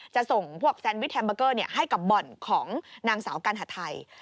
จะส่งพวกแซนวิชแฮมเบอร์เกอร์ให้กับบ่อนของนางสาวกัณฑไทย